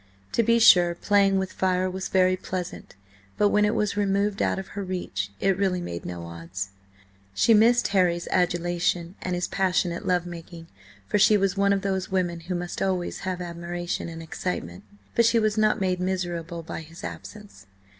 To be sure, playing with fire was very pleasant, but when it was removed out of her reach, it really made no odds. She missed Harry's adulation and his passionate love making, for she was one of those women who must always have admiration and excitement, but she was not made miserable by his absence.